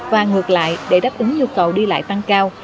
và ngược lại để đáp ứng nhu cầu đi lại tăng cao